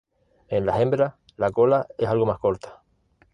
En las hembras, la cola es algo más corta.